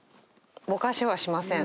ボカしはしません